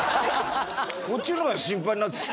こっちの方がシンパイになってきた。